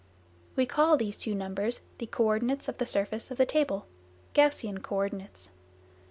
We call these two numbers the co ordinates of the surface of the table (Gaussian co ordinates).